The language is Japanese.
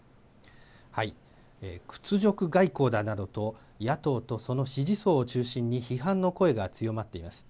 屈辱外交だなどと、野党とその支持層を中心に批判の声が強まっています。